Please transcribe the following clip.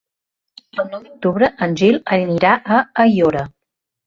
El nou d'octubre en Gil anirà a Aiora.